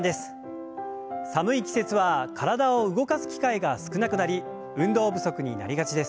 寒い季節は体を動かす機会が少なくなり運動不足になりがちです。